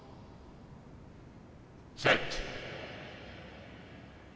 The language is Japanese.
「セット」。